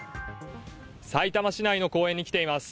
さいたま市内の公園に来ています。